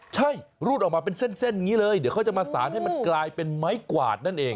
ใช่รูดออกมาเป็นเส้นอย่างนี้เลยเดี๋ยวเขาจะมาสารให้มันกลายเป็นไม้กวาดนั่นเอง